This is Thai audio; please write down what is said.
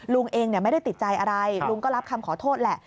ลุงเองไม่ได้ติดใจอะไรลุงก็รับคำขอโทษแหละ